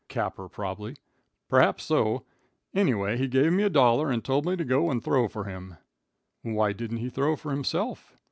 "Capper, probably?" "Perhaps so. Anyhow, he gave me a dollar and told me to go and throw for him." "Why didn't he throw for himself?"